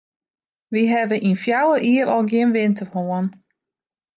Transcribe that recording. Wy hawwe yn fjouwer jier al gjin winter hân.